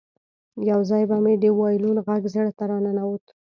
یو ځای به مې د وایلون غږ زړه ته راننوت